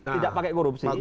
tidak pakai korupsi